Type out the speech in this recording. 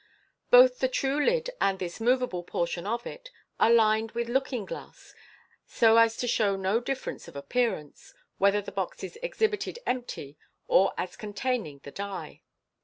Both the true lid and this moveable portion of it are lined with looking glass, so as to show no difference of appearance, whether the box is exhibited empty or as containing the die.